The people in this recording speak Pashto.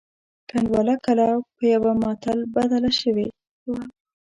کنډواله کلا په یوه متل بدله شوې وه.